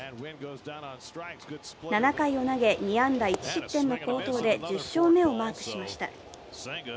７回を投げ、２安打１失点の好投で１０勝目をマークしました。